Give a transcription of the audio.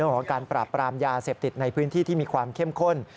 ของการปราบปรามยาเสพติดในพื้นที่ที่มีความเข้มข้น